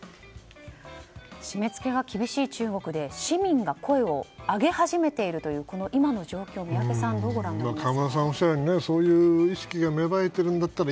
締め付けが厳しい中国で市民が声を上げ始めているという今の状況を宮家さんどうご覧になりますか？